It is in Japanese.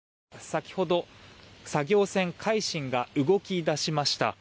先ほど作業船「海進」が動き出しました。